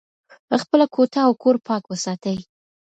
خپله کوټه او کور پاک وساتئ.